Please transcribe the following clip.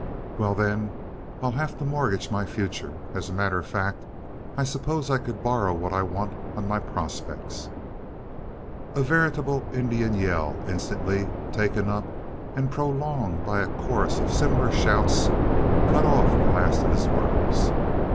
"Well, then, I'll have to mortgage my future. As a matter of fact, I suppose I could borrow what I want on my prospects." A veritable Indian yell, instantly taken up and prolonged by a chorus of similar shouts, cut off the last of his words.